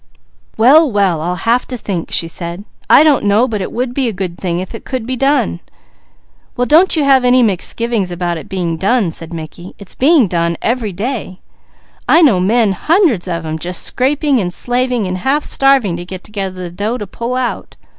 "Well! Well! I'll have to think," she said. "I don't know but it would be a good thing if it could be done." "Well don't you have any misgivings about it being done," said Mickey. "It's being done every day. I know men, hundreds of them, just scraping, and slaving and half starving to get together the dough to pull out.